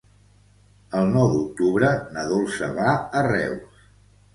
El nou d'octubre na Dolça va a Reus.